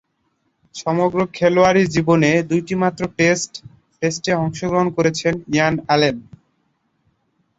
সমগ্র খেলোয়াড়ী জীবনে দুইটিমাত্র টেস্টে অংশগ্রহণ করেছেন ইয়ান অ্যালেন।